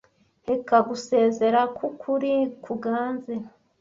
reka gusezera kwukuri kuganze